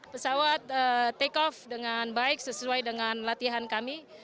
pesawat take off dengan baik sesuai dengan latihan kami